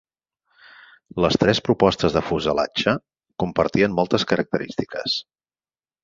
Les tres propostes de fuselatge compartien moltes característiques.